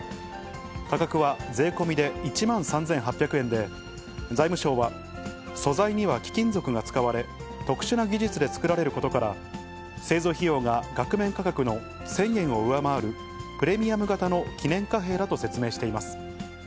価格は税込みで１万３８００円で、財務省は素材には貴金属が使われ、特殊な技術で作られることから、製造費用が額面価格の１０００円を上回る、プレミアム型の記念貨幣だと説明しています。